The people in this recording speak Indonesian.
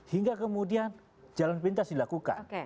hingga kemudian jalan pintas dilakukan